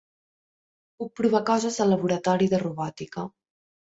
Puc provar coses al laboratori de robòtica.